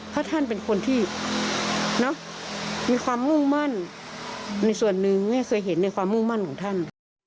ถ้าท่านเป็นคนที่มีความมุ่งมั่นในส่วนหนึ่งไม่เคยเห็นในความมุ่งมั่นของท่าน